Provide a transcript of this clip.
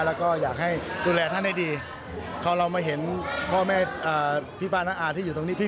แล้วก็อยากให้ดูแลท่านให้ดีพอเรามาเห็นพ่อแม่พี่ป้าน้าอาที่อยู่ตรงนี้พี่